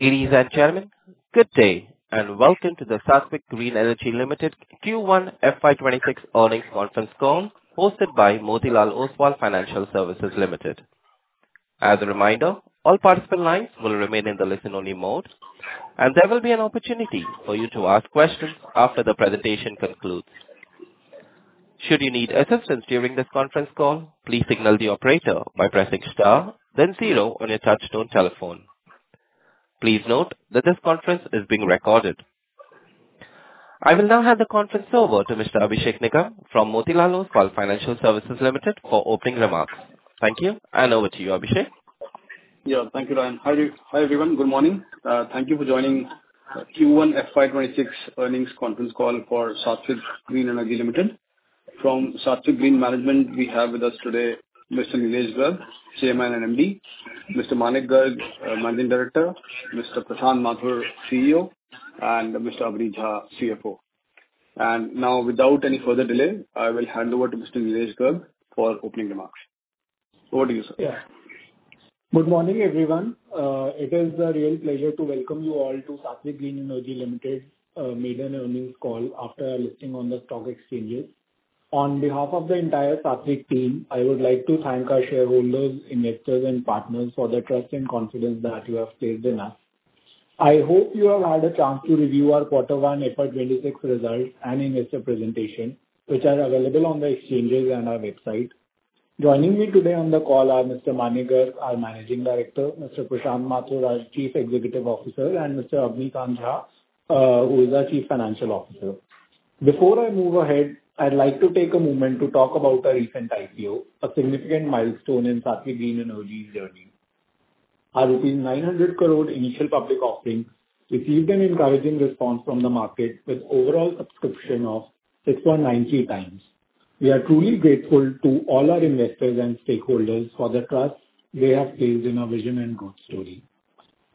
Ladies and gentlemen, good day and welcome to the Saatvik Green Energy Limited Q1 FY 2026 earnings conference call hosted by Motilal Oswal Financial Services Limited. As a reminder, all participant lines will remain in the listen-only mode, and there will be an opportunity for you to ask questions after the presentation concludes. Should you need assistance during this conference call, please signal the operator by pressing star, then zero on your touch-tone telephone. Please note that this conference is being recorded. I will now hand the conference over to Mr. Abhishek Nigam from Motilal Oswal Financial Services Limited for opening remarks. Thank you, and over to you, Abhishek. Yeah, thank you, Ryan. Hi everyone, good morning. Thank you for joining the Q1 FY 2026 earnings conference call for Saatvik Green Energy Limited. From Saatvik Green Management, we have with us today Mr. Neelesh Garg, Chairman and MD, Mr. Manik Garg, Managing Director, Mr. Prashant Mathur, CEO, and Mr. Abani Kant Jha, CFO. And now, without any further delay, I will hand over to Mr. Neelesh Garg for opening remarks. Over to you, sir. Yeah. Good morning, everyone. It is a real pleasure to welcome you all to Saatvik Green Energy Limited's middle earnings call after listing on the stock exchanges. On behalf of the entire Saatvik team, I would like to thank our shareholders, investors, and partners for the trust and confidence that you have placed in us. I hope you have had a chance to review our quarter one FY 2026 results and investor presentation, which are available on the exchanges and our website. Joining me today on the call are Mr. Manik Garg, our Managing Director, Mr. Prashant Mathur, our Chief Executive Officer, and Mr. Abani Kant Jha, who is our Chief Financial Officer. Before I move ahead, I'd like to take a moment to talk about our recent IPO, a significant milestone in Saatvik Green Energy's journey. Our 900 crore initial public offering received an encouraging response from the market, with overall subscription of 6.93x. We are truly grateful to all our investors and stakeholders for the trust they have placed in our vision and growth story.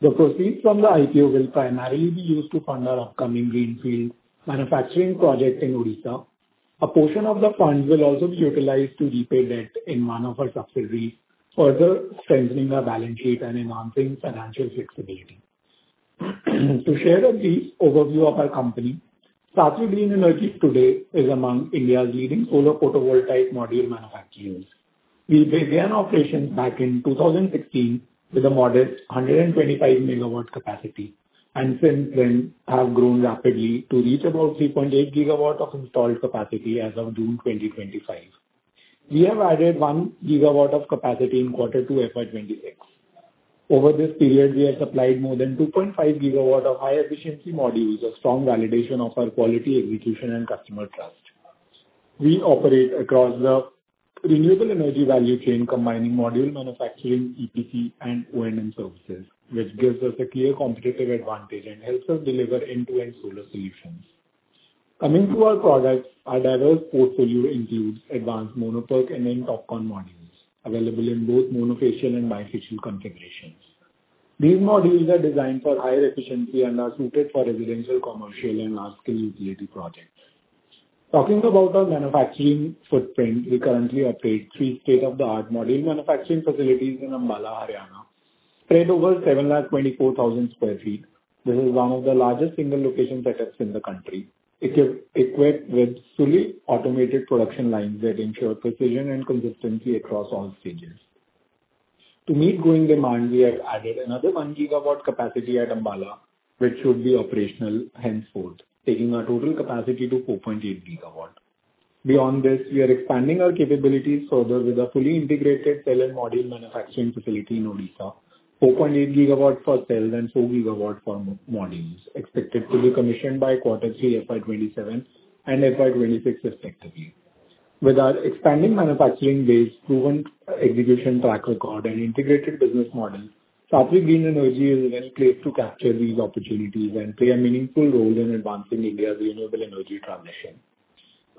The proceeds from the IPO will primarily be used to fund our upcoming greenfield manufacturing project in Odisha. A portion of the funds will also be utilized to repay debt in one of our subsidiaries, further strengthening our balance sheet and enhancing financial flexibility. To share a brief overview of our company, Saatvik Green Energy today is among India's leading solar photovoltaic module manufacturers. We began operations back in 2016 with a modest 125 MW capacity, and since then have grown rapidly to reach about 3.8 GW of installed capacity as of June 2025. We have added 1 GW of capacity in Q2 FY 2026. Over this period, we have supplied more than 2.5 GW of high-efficiency modules with strong validation of our quality, execution, and customer trust. We operate across the renewable energy value chain, combining module manufacturing, EPC, and O&M services, which gives us a clear competitive advantage and helps us deliver end-to-end solar solutions. Coming to our products, our diverse portfolio includes advanced Mono PERC and TOPCon modules available in both monofacial and bifacial configurations. These modules are designed for higher efficiency and are suited for residential, commercial, and large-scale utility projects. Talking about our manufacturing footprint, we currently operate 3 state-of-the-art module manufacturing facilities in Ambala, Haryana, spread over 724,000 sq ft. This is one of the largest single location setups in the country. It is equipped with fully automated production lines that ensure precision and consistency across all stages. To meet growing demand, we have added another 1 GW capacity at Ambala, which should be operational henceforth, taking our total capacity to 4.8 GW. Beyond this, we are expanding our capabilities further with a fully integrated cell and module manufacturing facility in Odisha, 4.8 GW for cells and 4 GW for modules, expected to be commissioned by quarter three FY 2027 and FY 2026 respectively. With our expanding manufacturing base, proven execution track record, and integrated business model, Saatvik Green Energy is well placed to capture these opportunities and play a meaningful role in advancing India's renewable energy transition.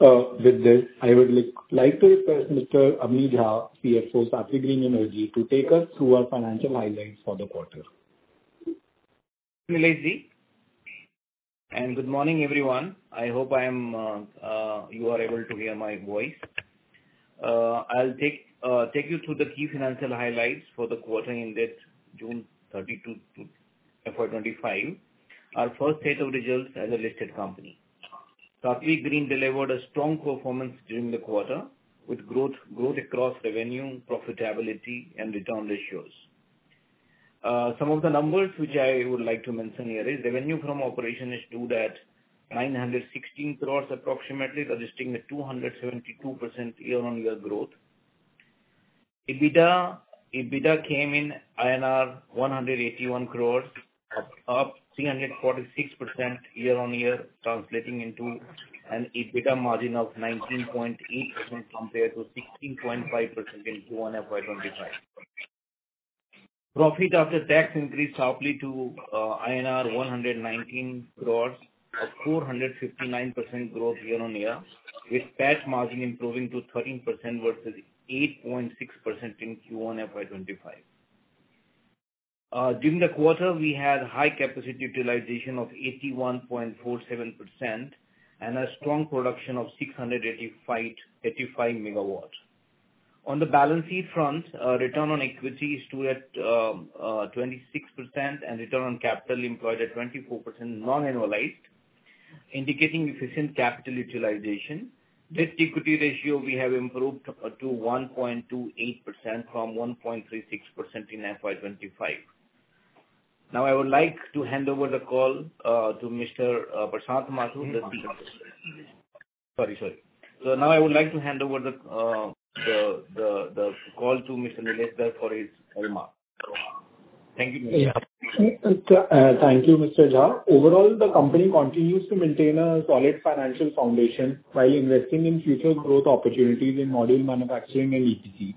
With this, I would like to request mr. Abani Kant Jha, CFO of Saatvik Green Energy, to take us through our financial highlights for the quarter. Neelesh ji, and good morning, everyone. I hope you are able to hear my voice. I'll take you through the key financial highlights for the quarter ended June 30 FY 2025. Our first set of results as a listed company. Saatvik Green delivered a strong performance during the quarter with growth across revenue, profitability, and return ratios. Some of the numbers which I would like to mention here is revenue from operations stood at 916 crores approximately, registering a 272% year-on-year growth. EBITDA came in INR 181 crores, up 346% year-on-year, translating into an EBITDA margin of 19.8% compared to 16.5% in Q1 FY 2024. Profit after tax increased sharply to INR 119 crores, a 459% growth year-on-year, with PAT margin improving to 13% versus 8.6% in Q1 FY 2024. During the quarter, we had high capacity utilization of 81.47% and a strong production of 685 MW. On the balance sheet front, return on equity is due at 26%, and return on capital employed at 24% non-annualized, indicating efficient capital utilization. This equity ratio we have improved to 1.28% from 1.36% in FY 2025. Now, I would like to hand over the call to Mr. Prashant Mathur. Sorry, sorry. Now I would like to hand over the call to Mr. Neelesh Garg for his remarks. Thank you, Neelesh. Thank you, Mr. Jha. Overall, the company continues to maintain a solid financial foundation while investing in future growth opportunities in module manufacturing and EPC.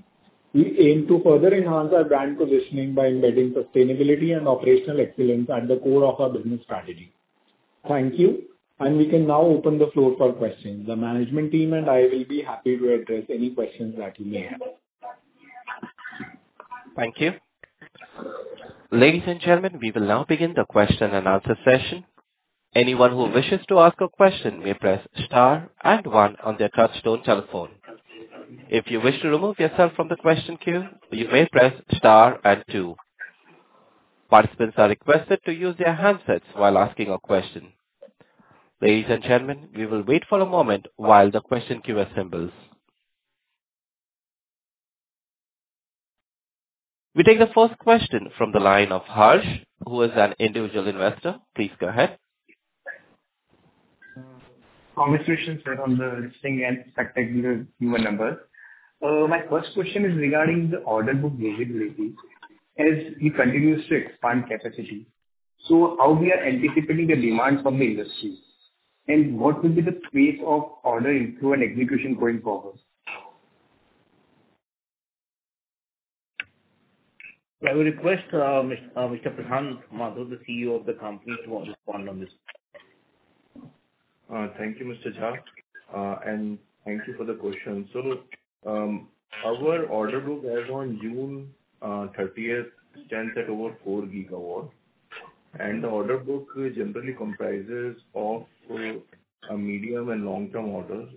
We aim to further enhance our brand positioning by embedding sustainability and operational excellence at the core of our business strategy. Thank you, and we can now open the floor for questions. The management team and I will be happy to address any questions that you may have. Thank you. Ladies and gentlemen, we will now begin the question and answer session. Anyone who wishes to ask a question may press star and one on their touch-tone telephone. If you wish to remove yourself from the question queue, you may press star and two. Participants are requested to use their handsets while asking a question. Ladies and gentlemen, we will wait for a moment while the question queue assembles. We take the first question from the line of Harsh, who is an individual investor. Please go ahead. Congratulations on the listing and spectacular Q1 numbers. My first question is regarding the order book visibility as we continue to expand capacity. So how we are anticipating the demands from the industry, and what will be the pace of order into an execution going forward? I will request Mr. Prashant Mathur, the CEO of the company, to respond on this. Thank you, Mr. Jha, and thank you for the question. So our order book as of June 30th stands at over 4 GW, and the order book generally comprises of medium and long-term orders.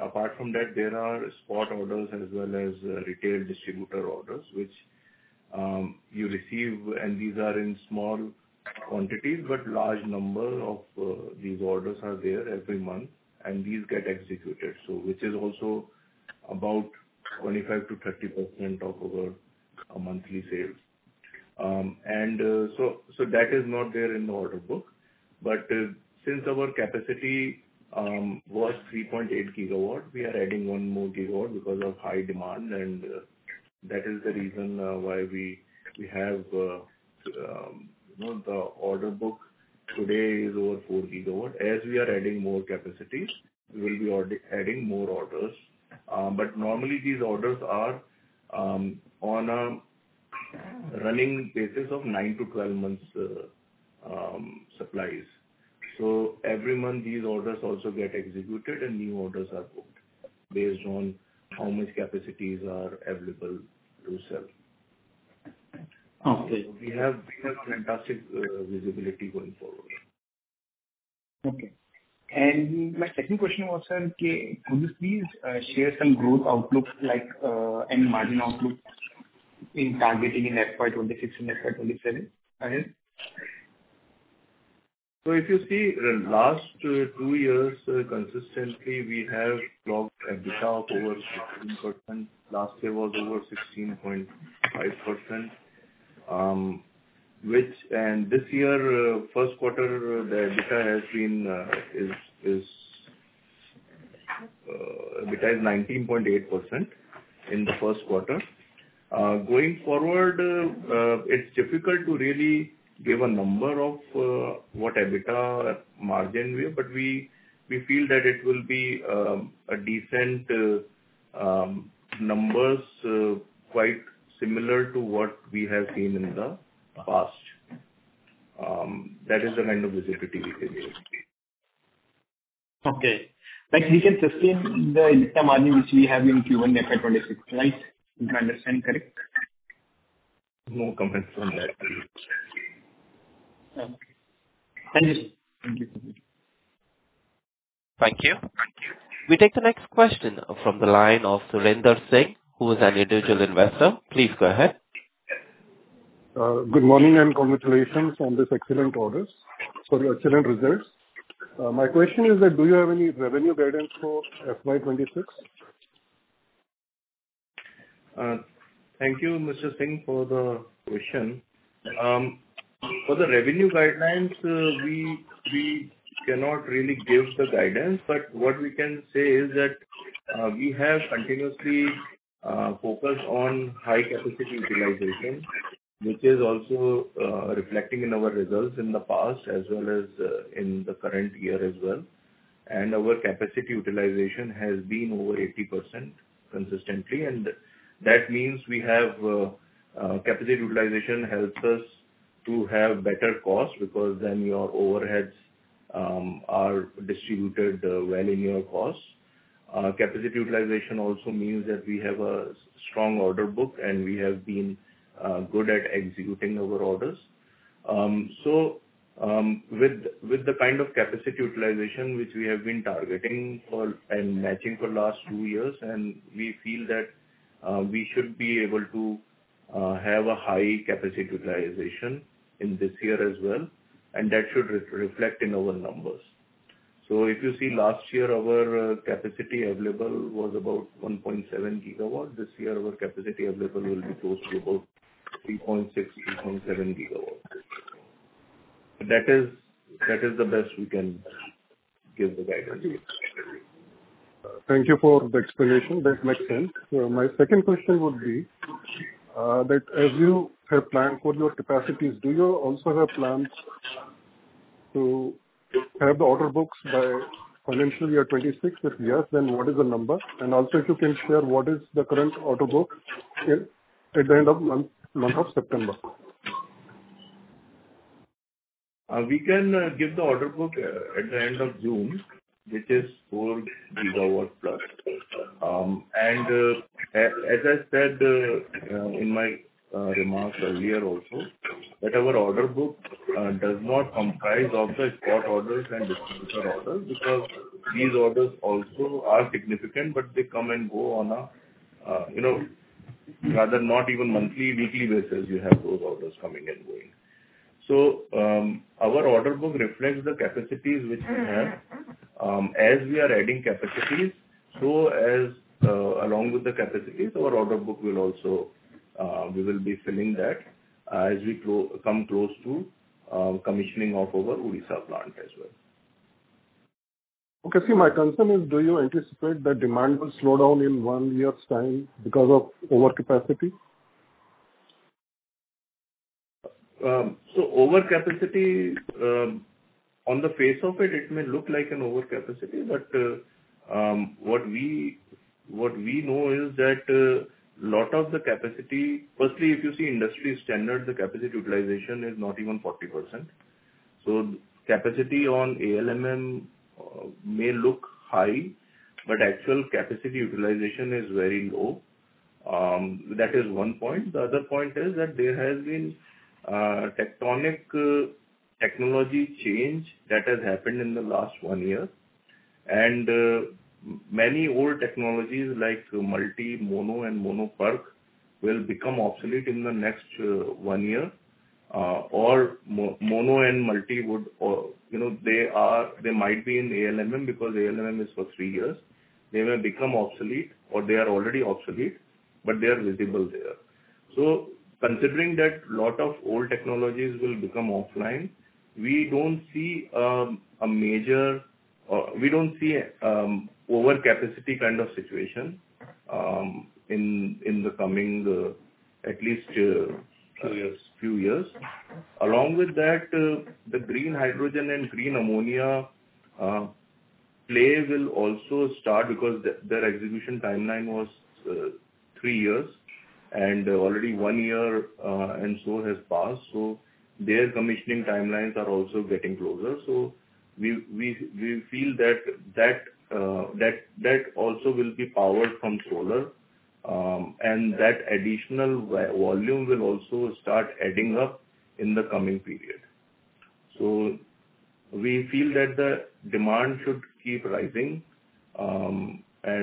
Apart from that, there are spot orders as well as retail distributor orders, which you receive, and these are in small quantities, but large numbers of these orders are there every month, and these get executed, which is also about 25%-30% of our monthly sales. And so that is not there in the order book, but since our capacity was 3.8 GW, we are adding 1 more GW because of high demand, and that is the reason why we have the order book today is over 4 GW. As we are adding more capacity, we will be adding more orders, but normally these orders are on a running basis of 9-12 months' supplies. So every month, these orders also get executed, and new orders are booked based on how much capacities are available to sell. So we have fantastic visibility going forward. Okay. My second question was, could you please share some growth outlook and margin outlook in targeting in FY 2026 and FY 2027 ahead? So if you see, last two years, consistently, we have logged EBITDA of over 16%. Last year was over 16.5%, and this year, Q1, the EBITDA has been EBITDA is 19.8% in the Q1. Going forward, it's difficult to really give a number of what EBITDA margin we have, but we feel that it will be decent numbers, quite similar to what we have seen in the past. That is the kind of visibility we can give. Okay. But we can sustain the EBITDA margin which we have in Q1 FY 2026, right? I understand correct? No comments on that. Thank you. Thank you. We take the next question from the line of Surinder Singh, who is an individual investor. Please go ahead. Good morning and congratulations on these excellent orders, sorry, excellent results. My question is that do you have any revenue guidance for FY 2026? Thank you, Mr. Singh, for the question. For the revenue guidelines, we cannot really give the guidance, but what we can say is that we have continuously focused on high-capacity utilization, which is also reflecting in our results in the past as well as in the current year as well. Our capacity utilization has been over 80% consistently, and that means we have capacity utilization helps us to have better costs because then your overheads are distributed well in your costs. Capacity utilization also means that we have a strong order book, and we have been good at executing our orders. With the kind of capacity utilization which we have been targeting and matching for the last two years, we feel that we should be able to have a high capacity utilization in this year as well, and that should reflect in our numbers. So if you see, last year, our capacity available was about 1.7 GW. This year, our capacity available will be close to about 3.6, 3.7 GW. That is the best we can give the guidance. Thank you for the explanation. That makes sense. My second question would be that as you have planned for your capacities, do you also have plans to have the order books by financial year 2026? If yes, then what is the number? And also, if you can share what is the current order book at the end of the month of September? We can give the order book at the end of June, which is 4 GW+. As I said in my remarks earlier also, that our order book does not comprise of the spot orders and distributor orders because these orders also are significant, but they come and go on a rather not even monthly, weekly basis, you have those orders coming and going. Our order book reflects the capacities which we have as we are adding capacities. Along with the capacities, our order book will also be filling that as we come close to commissioning of our Odisha plant as well. Okay. See, my concern is, do you anticipate that demand will slow down in one year's time because of overcapacity? So overcapacity, on the face of it, it may look like an overcapacity, but what we know is that a lot of the capacity, firstly, if you see industry standards, the capacity utilization is not even 40%. So capacity on ALMM may look high, but actual capacity utilization is very low. That is one point. The other point is that there has been tectonic technology change that has happened in the last one year, and many old technologies like multi, mono, and Mono PERC will become obsolete in the next one year, or mono and multi would they might be in ALMM because ALMM is for three years. They may become obsolete, or they are already obsolete, but they are visible there. So considering that a lot of old technologies will become offline, we don't see overcapacity kind of situation in the coming at least few years. Along with that, the Green Hydrogen and Green Ammonia play will also start because their execution timeline was three years, and already one year and so has passed. So their commissioning timelines are also getting closer. So we feel that that also will be powered from solar, and that additional volume will also start adding up in the coming period. So we feel that the demand should keep rising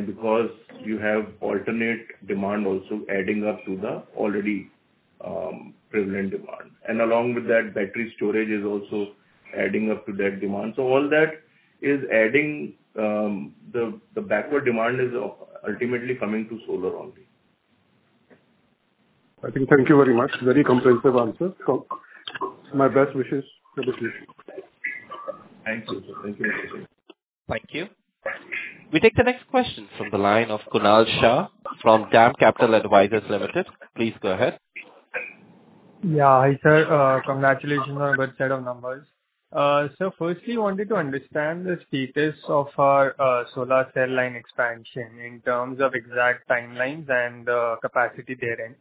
because you have alternate demand also adding up to the already prevalent demand. And along with that, battery storage is also adding up to that demand. So all that is adding the backward demand is ultimately coming to solar only. I think, thank you very much. Very comprehensive answer. My best wishes. Thank you. Thank you. Thank you. We take the next question from the line of Kunal Shah from DAM Capital Advisors Limited. Please go ahead. Yeah. Hi, sir. Congratulations on a good set of numbers. So firstly, I wanted to understand the status of our solar cell line expansion in terms of exact timelines and capacity therein,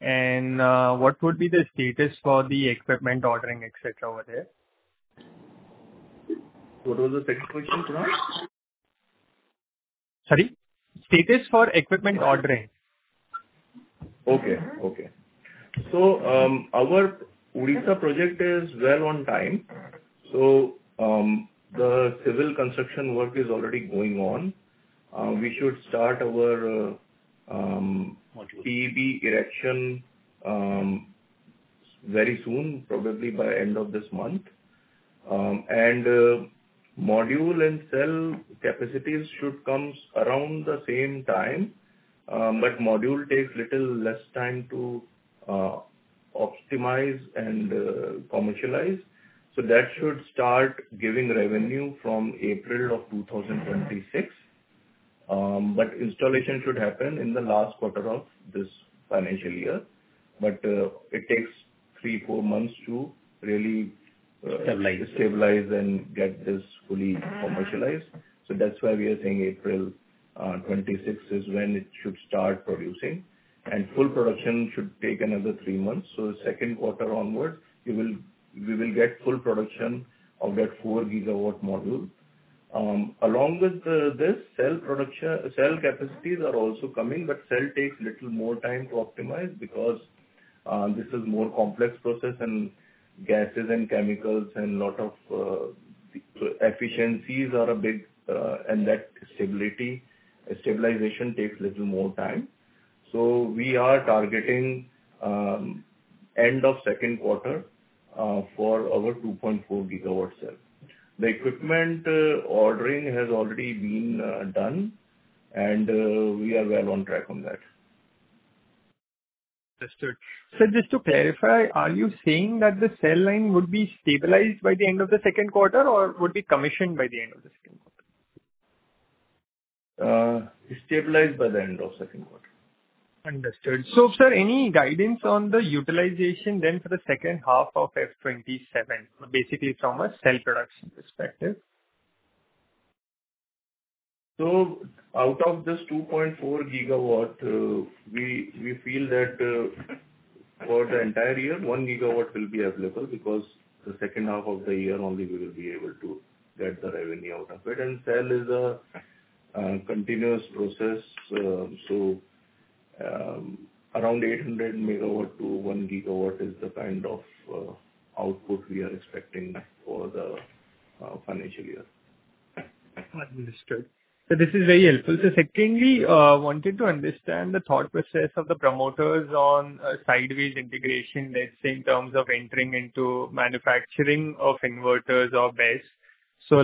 and what would be the status for the equipment ordering, etc., over there? What was the second question, Kunal? Sorry? Status for equipment ordering. Okay, okay. Our Odisha project is well on time. The civil construction work is already going on. We should start our PEB erection very soon, probably by end of this month. Module and cell capacities should come around the same time, but module takes a little less time to optimize and commercialize. That should start giving revenue from April 2026, but installation should happen in the last quarter of this financial year. It takes 3-4 months to really stabilize and get this fully commercialized. That's why we are saying April 2026 is when it should start producing, and full production should take another 3 months. The Q2 onward, we will get full production of that 4 GW module. Along with this, cell capacities are also coming, but cell takes a little more time to optimize because this is a more complex process, and gases and chemicals and a lot of efficiencies are a big, and that stabilization takes a little more time. So we are targeting end of Q2 for our 2.4 GW cell. The equipment ordering has already been done, and we are well on track on that. Understood. Sir, just to clarify, are you saying that the cell line would be stabilized by the end of the Q2, or would be commissioned by the end of the Q2? Stabilized by the end of Q2. Understood. So, sir, any guidance on the utilization then for the H2 of FY 2027, basically from a cell production perspective? Out of this 2.4 GW, we feel that for the entire year, 1 GW will be available because the H2 of the year only we will be able to get the revenue out of it. Cell is a continuous process. Around 800 MW-1 GW is the kind of output we are expecting for the financial year. Understood. So this is very helpful. So secondly, I wanted to understand the thought process of the promoters on sideways integration, let's say, in terms of entering into manufacturing of inverters or BESS. So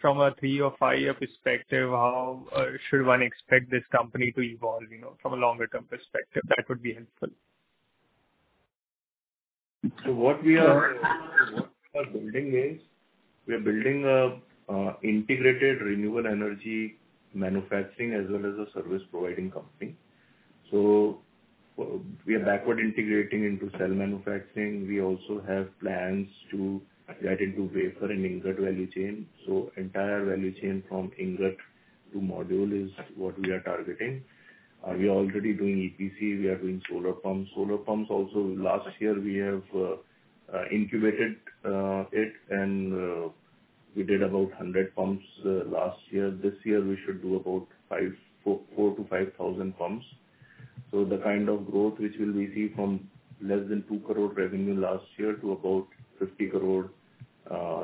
from a 3- or 5-year perspective, how should one expect this company to evolve from a longer-term perspective? That would be helpful. So what we are building is we are building an integrated renewable energy manufacturing as well as a service providing company. So we are backward integrating into cell manufacturing. We also have plans to get into wafer and ingot value chain. So entire value chain from ingot to module is what we are targeting. We are already doing EPC. We are doing solar pumps. Solar pumps also, last year, we have incubated it, and we did about 100 pumps last year. This year, we should do about 4,000-5,000 pumps. So the kind of growth which will be seen from less than 2 crore revenue last year to about 50 crore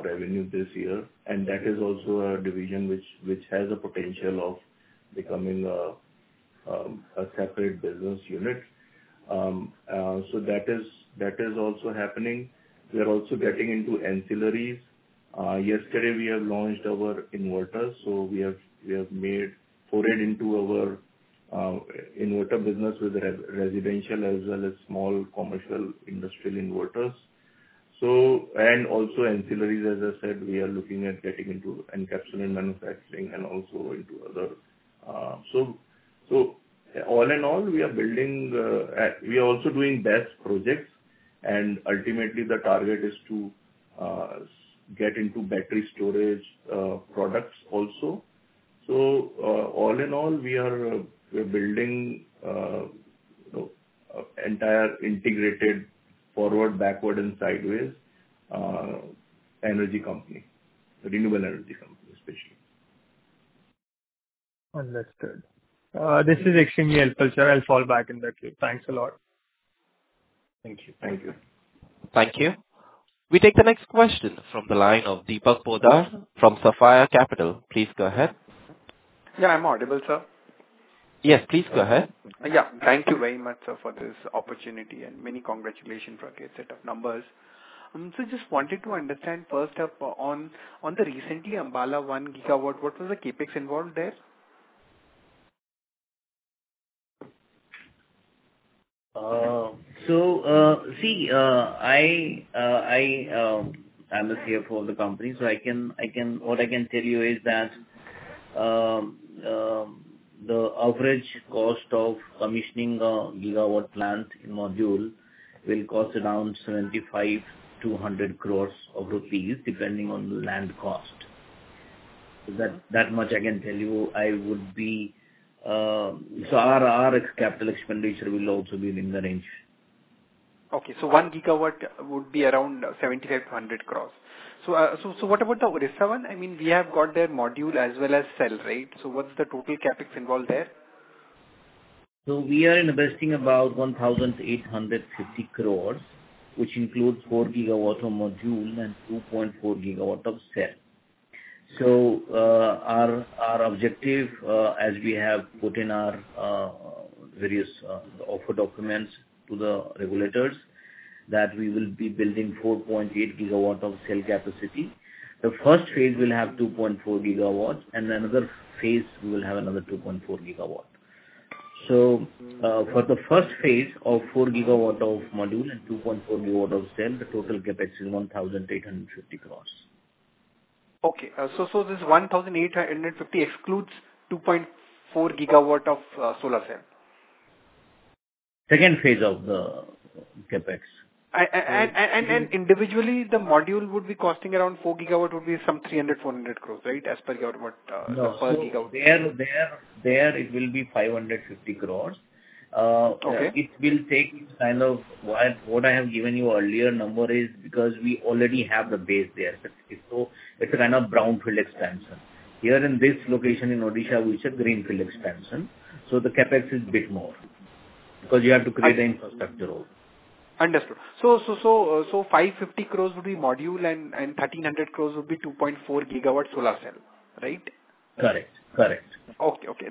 revenue this year. And that is also a division which has a potential of becoming a separate business unit. So that is also happening. We are also getting into ancillaries. Yesterday, we have launched our inverters. So we have forayed into our inverter business with residential as well as small commercial industrial inverters. And also ancillaries, as I said, we are looking at getting into encapsulated manufacturing and also into other. So all in all, we are building; we are also doing EPC projects, and ultimately, the target is to get into battery storage products also. So all in all, we are building entire integrated forward, backward, and sideways energy company, renewable energy company, especially. Understood. This is extremely helpful, sir. I'll fall back in that view. Thanks a lot. Thank you. Thank you. Thank you. We take the next question from the line of Deepak Poddar from Sapphire Capital. Please go ahead. Yeah, I'm audible, sir? Yes, please go ahead. Yeah. Thank you very much, sir, for this opportunity, and many congratulations for a good set of numbers. So just wanted to understand, first up, on the recently Ambala 1 GW, what was the CapEx involved there? So see, I'm a CFO of the company, so what I can tell you is that the average cost of commissioning a GW plant in module will cost around 75-100 crore rupees, depending on the land cost. That much I can tell you. I would be so our capital expenditure will also be in the range. Okay. So 1 GW would be around 75 crore-100 crore. So what about the Odisha one? I mean, we have got their module as well as cell, right? So what's the total CapEx involved there? So we are investing about 1,850 crores, which includes 4 GW of module and 2.4 GW of cell. So our objective, as we have put in our various offer documents to the regulators, is that we will be building 4.8 GW of cell capacity. The first phase will have 2.4 GW, and another phase will have another 2.4 GW. So for the first phase of 4 GW of module and 2.4 GW of cell, the total capacity is 1,850 crores. Okay. So this 1,850 excludes 2.4 GW of solar cell? Second phase of the CapEx. Individually, the module would be costing around 4 GW, would be some 300-400 crore, right, as per GW? No, there it will be 550 crores. It will take kind of what I have given you earlier number is because we already have the base there. So it's a kind of brownfield expansion. Here in this location in Odisha, we should greenfield expansion. So the CapEx is a bit more because you have to create the infrastructure also. Understood. So 550 crore would be module, and 1,300 crore would be 2.4 GW solar cell, right? Correct. Correct. Okay. Okay.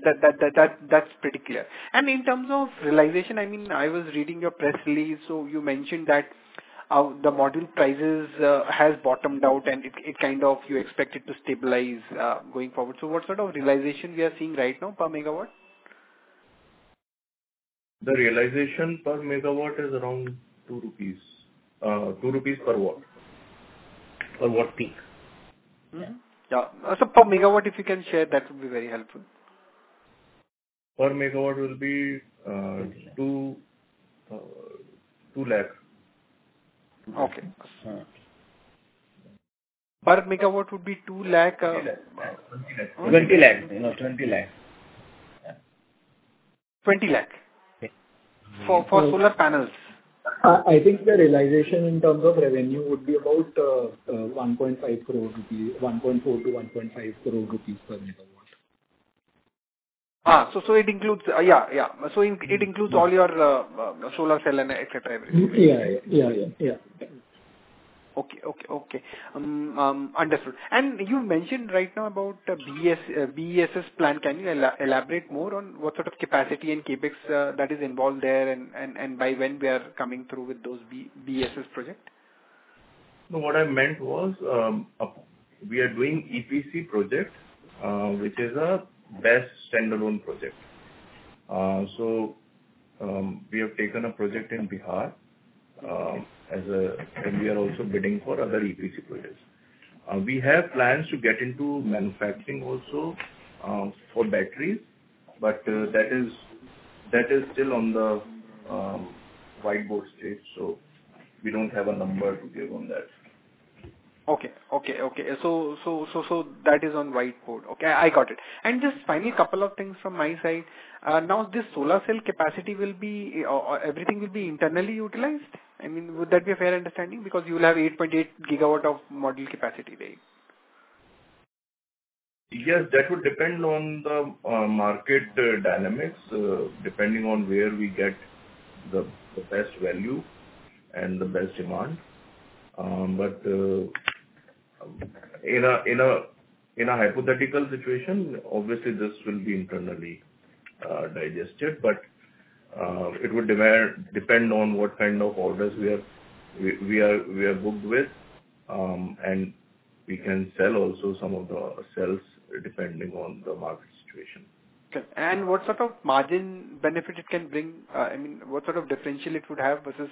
That's pretty clear. And in terms of realization, I mean, I was reading your press release, so you mentioned that the module prices have bottomed out, and it kind of you expect it to stabilize going forward. So what sort of realization we are seeing right now per megawatt? The realization per megawatt is around 2 rupees, 2 rupees per watt, per watt peak. Yeah. So per megawatt, if you can share, that would be very helpful. Per megawatt will be 2 lakh. Okay. Per megawatt would be 2 lakh? 20 lakh. 20 lakh. 20 lakh. 20 lakh for solar panels? I think the realization in terms of revenue would be about 1.5 crore rupees, 1.4 crore-1.5 crore rupees per megawatt. So it includes, yeah, yeah. So it includes all your solar cell and etc., everything. Yeah. Yeah. Yeah. Yeah. Okay. Okay. Okay. Understood. And you mentioned right now about BESS plan. Can you elaborate more on what sort of capacity and CapEx that is involved there, and by when we are coming through with those BESS projects? What I meant was we are doing EPC projects, which is a best standalone project. So we have taken a project in Bihar, and we are also bidding for other EPC projects. We have plans to get into manufacturing also for batteries, but that is still on the whiteboard stage. So we don't have a number to give on that. Okay. Okay. Okay. So that is on whiteboard. Okay. I got it. And just finally, a couple of things from my side. Now, this solar cell capacity will be everything will be internally utilized? I mean, would that be a fair understanding? Because you will have 8.8 GW of module capacity, right? Yes. That would depend on the market dynamics, depending on where we get the best value and the best demand. But in a hypothetical situation, obviously, this will be internally digested, but it would depend on what kind of orders we are booked with, and we can sell also some of the cells depending on the market situation. What sort of margin benefit it can bring? I mean, what sort of differential it would have versus,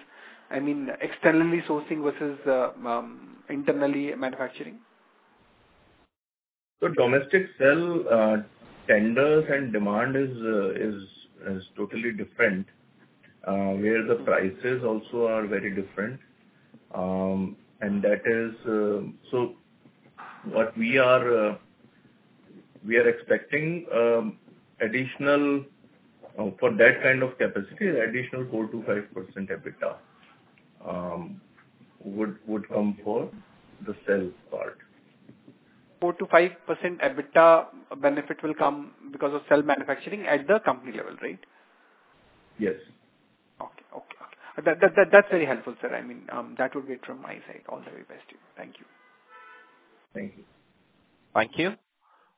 I mean, externally sourcing versus internally manufacturing? So domestic cell tenders and demand is totally different, where the prices also are very different. And that is so what we are expecting additional for that kind of capacity, additional 4%-5% EBITDA would come for the cell part. 4%-5% EBITDA benefit will come because of cell manufacturing at the company level, right? Yes. Okay. Okay. That's very helpful, sir. I mean, that would be it from my side. All the very best to you. Thank you. Thank you. Thank you.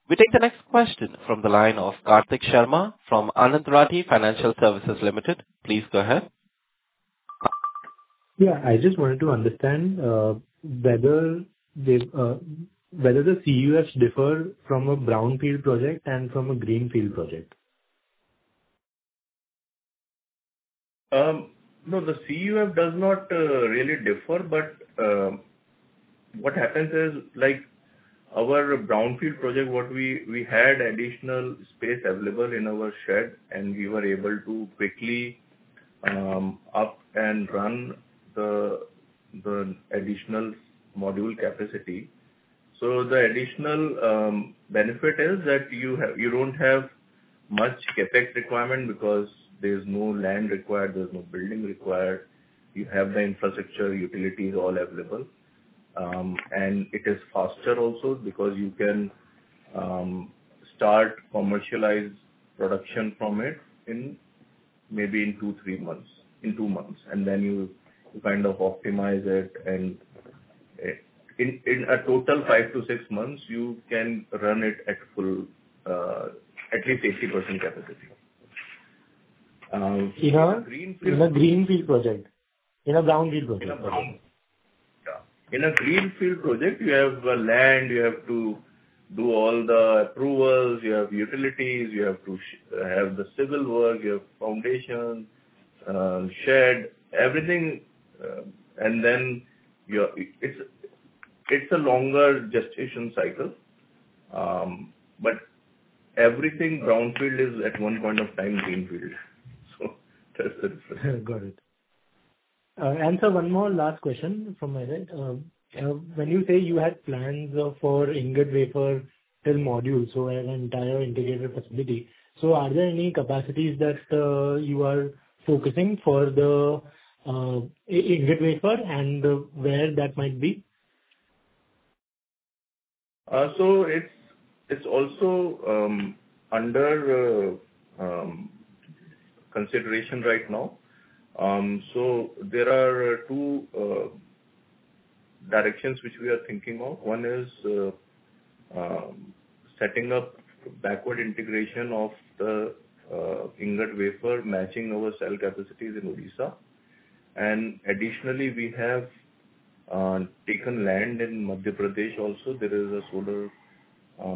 We take the next question from the line of Kartik Sharma from Anand Rathi Financial Services Limited. Please go ahead. Yeah. I just wanted to understand whether the CUFs differ from a brownfield project and from a greenfield project? No, the CUF does not really differ, but what happens is our brownfield project, what we had additional space available in our shed, and we were able to quickly up and run the additional module capacity. So the additional benefit is that you don't have much CapEx requirement because there's no land required. There's no building required. You have the infrastructure, utilities, all available. And it is faster also because you can start commercialized production from it maybe in 2-3 months, in 2 months. And then you kind of optimize it. And in a total 5-6 months, you can run it at full, at least 80% capacity. In a Greenfield project? In a greenfield project. In a Brownfield project? In a brownfield project, you have land. You have to do all the approvals. You have utilities. You have to have the civil work. You have foundation, shed, everything. And then it's a longer gestation cycle. But everything brownfield is at one point of time greenfield. So that's the difference. Got it. And so one more last question from my side. When you say you had plans for ingot wafer till module, so an entire integrated facility, so are there any capacities that you are focusing for the ingot wafer and where that might be? So it's also under consideration right now. So there are two directions which we are thinking of. One is setting up backward integration of the ingot wafer, matching our cell capacities in Odisha. And additionally, we have taken land in Madhya Pradesh also. There is a solar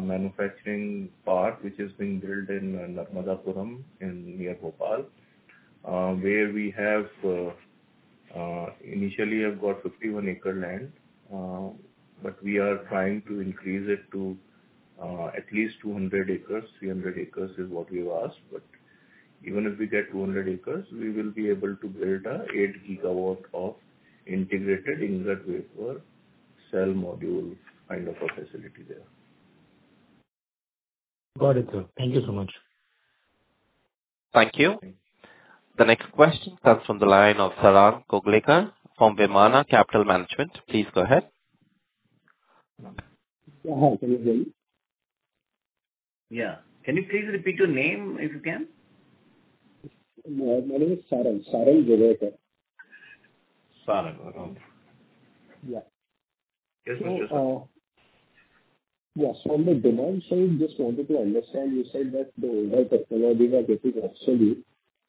manufacturing park which is being built in Narmadapuram near Bhopal, where we have initially got 51 acres of land, but we are trying to increase it to at least 200 acres. 300 acres is what we've asked. But even if we get 200 acres, we will be able to build an 8 GW integrated ingot wafer cell module kind of a facility there. Got it, sir. Thank you so much. Thank you. The next question, that's from the line of Sarang Joglekar from Vimana Capital Management. Please go ahead. Yeah. Hi. Can you hear me? Yeah. Can you please repeat your name if you can? My name is Sarang. Sarang Joglekar. Sarang. Okay. Yeah. Yes, sir. Yes, sir. Yes. On the demand side, just wanted to understand. You said that the overall technology that it is actually.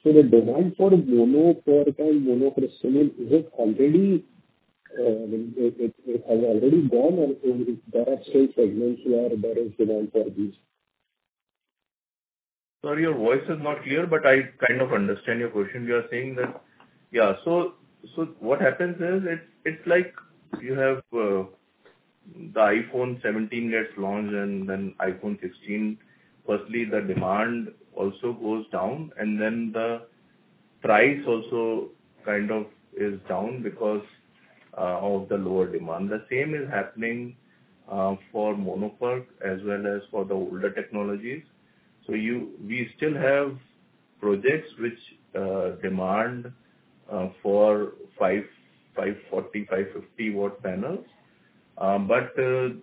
So the demand for monofacial and monocrystalline, is it already it has already gone, or there are still fragments who are there is demand for these? Sorry, your voice is not clear, but I kind of understand your question. You are saying that yeah. So what happens is it's like you have the iPhone 17 gets launched and then iPhone 16. Firstly, the demand also goes down, and then the price also kind of is down because of the lower demand. The same is happening for monofacial as well as for the older technologies. So we still have projects which demand for 540, 550-watt panels. But the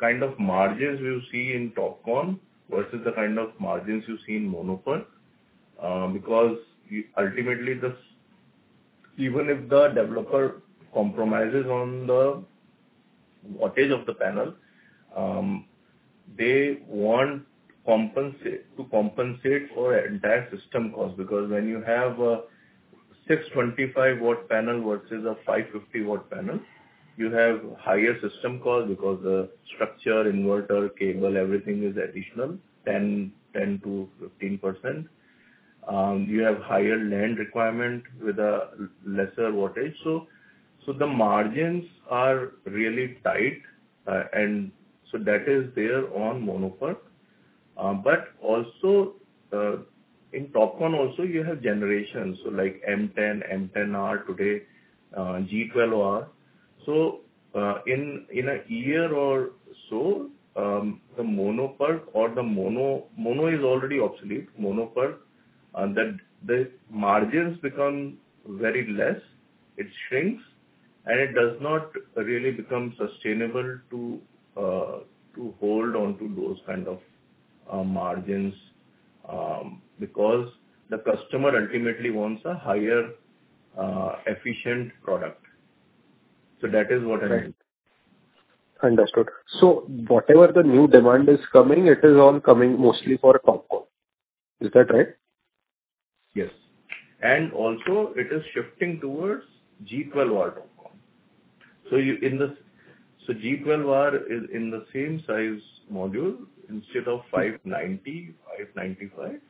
kind of margins we'll see in TOPCon versus the kind of margins you see in monofacial, because ultimately, even if the developer compromises on the wattage of the panel, they want to compensate for entire system cost. Because when you have a 625-watt panel versus a 550-watt panel, you have higher system cost because the structure, inverter, cable, everything is additional 10%-15%. You have higher land requirement with a lesser wattage. So the margins are really tight. And so that is there on monofacial. But also in TOPCon, also you have generations. So like M10, M10R today, G12R. So in a year or so, the monofacial or the mono is already obsolete. Monofacial, the margins become very less. It shrinks, and it does not really become sustainable to hold on to those kind of margins because the customer ultimately wants a higher efficient product. So that is what I mean. Understood. So whatever the new demand is coming, it is all coming mostly for TOPCon. Is that right? Yes. And also, it is shifting towards G12R TOPCon. So G12R is in the same size module. Instead of 590, 595,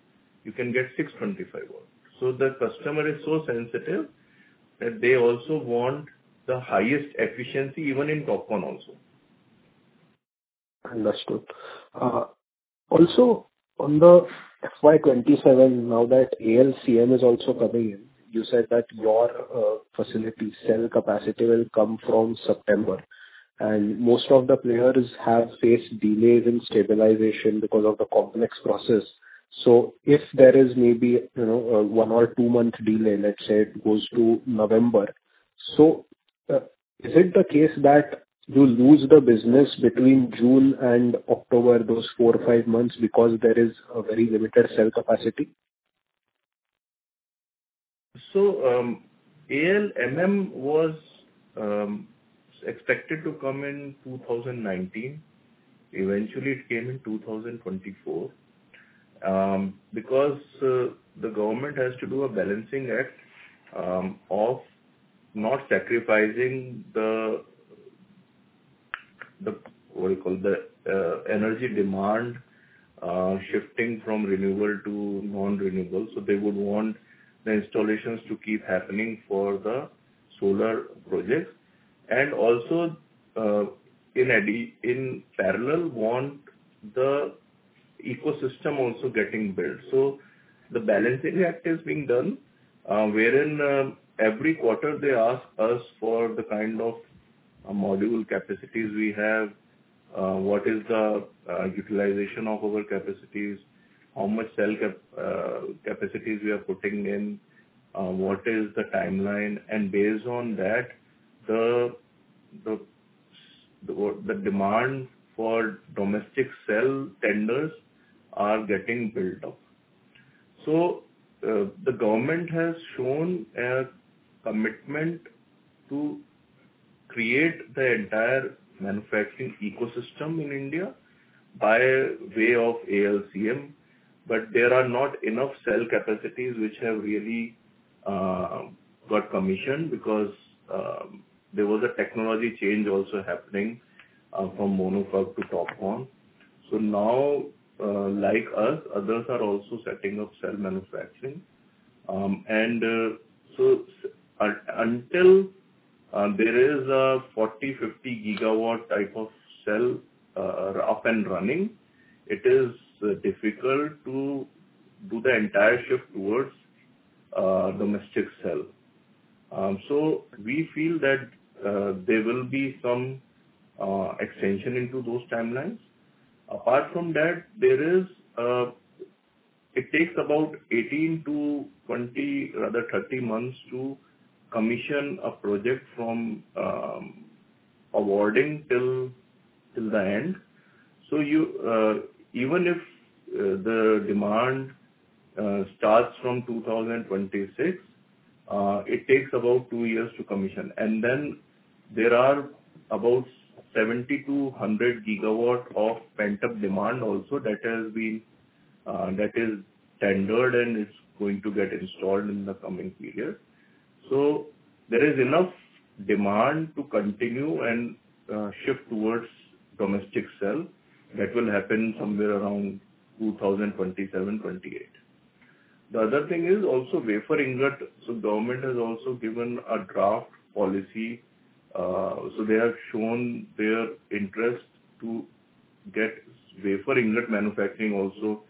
you can get 625 watt. So the customer is so sensitive that they also want the highest efficiency, even in TOPCon also. Understood. Also, on the FY 2027, now that ALMM is also coming in, you said that your facility cell capacity will come from September. And most of the players have faced delays in stabilization because of the complex process. So if there is maybe 1 or 2 month delay, let's say it goes to November, so is it the case that you lose the business between June and October, those 4 or 5 months because there is a very limited cell capacity? So ALMM was expected to come in 2019. Eventually, it came in 2024 because the government has to do a balancing act of not sacrificing the, what do you call, the energy demand shifting from renewable to non-renewable. So they would want the installations to keep happening for the solar projects. And also, in parallel, want the ecosystem also getting built. So the balancing act is being done, wherein every quarter, they ask us for the kind of module capacities we have, what is the utilization of our capacities, how much cell capacities we are putting in, what is the timeline. And based on that, the demand for domestic cell tenders are getting built up. So the government has shown a commitment to create the entire manufacturing ecosystem in India by way of ALMM. But there are not enough cell capacities which have really got commissioned because there was a technology change also happening from monofacial to TOPCon. So now, like us, others are also setting up cell manufacturing. And so until there is a 40-50 GW type of cell up and running, it is difficult to do the entire shift towards domestic cell. So we feel that there will be some extension into those timelines. Apart from that, there, it takes about 18-20, rather 30 months to commission a project from awarding till the end. So even if the demand starts from 2026, it takes about 2 years to commission. And then there are about 70 GW-100 GW of pent-up demand also that is tendered and is going to get installed in the coming period. So there is enough demand to continue and shift towards domestic cell. That will happen somewhere around 2027-2028. The other thing is also wafer ingot. So government has also given a draft policy. So they have shown their interest to get wafer ingot manufacturing also